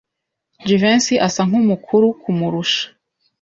Jivency asa nkumukuru kumurusha.